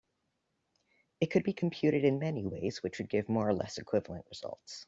It could be computed in many ways which would give more or less equivalent results.